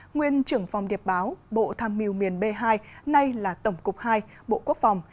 nguyên trưởng phòng điệp báo bộ tham mưu miền b hai nay là tổng cục hai bộ quốc phòng